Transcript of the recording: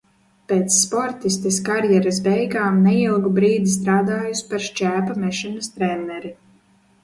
Pēc sportistes karjeras beigām neilgu brīdi strādājusi par šķēpa mešanas treneri.